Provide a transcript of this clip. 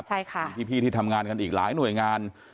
ผู้ที่ทำงานกันอีกหลายหน่วยงาน